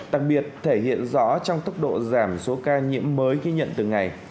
đặc biệt thể hiện rõ trong tốc độ giảm số ca nhiễm mới ghi nhận từ ngày